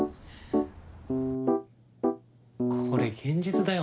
これ現実だよな？